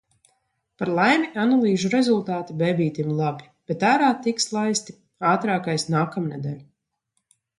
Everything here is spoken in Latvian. Par laimi analīžu rezultāti bēbītim labi, bet ārā tiks laisti – ātrākais – nākamnedēļ.